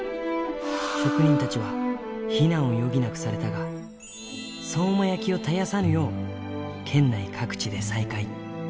職人たちは避難を余儀なくされたが、相馬焼を絶やさぬよう、県内各地で再開。